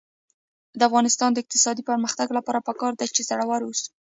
د افغانستان د اقتصادي پرمختګ لپاره پکار ده چې زړور اوسو.